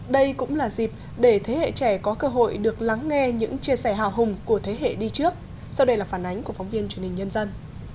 đây cũng là dịp để thế hệ trẻ có cơ hội được lắng nghe những chia sẻ hào hùng của thế hệ đi trước sau đây là phản ánh của phóng viên truyền hình nhân dân